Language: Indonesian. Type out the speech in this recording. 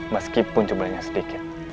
meskipun jumlahnya sedikit